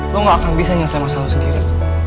lo gak akan bisa nyelesai masalah sendiri